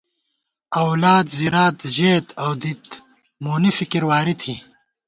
اولاد زِرات ژېت اؤ دِت، مونی فِکِر واری تھی